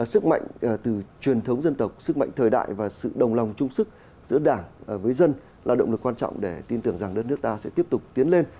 sức mạnh từ truyền thống dân tộc sức mạnh thời đại và sự đồng lòng trung sức giữa đảng với dân là động lực quan trọng để tin tưởng rằng đất nước ta sẽ tiếp tục tiến lên